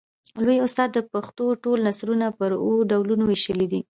لوى استاد د پښتو ټول نثرونه پر اوو ډولونو وېشلي دي.